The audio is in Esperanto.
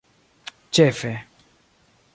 ĉefe